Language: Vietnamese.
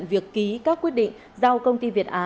việc ký các quyết định giao công ty việt á